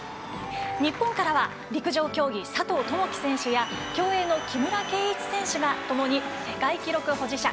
日本からは陸上競技佐藤友祈選手や競泳の木村敬一選手がともに世界記録保持者。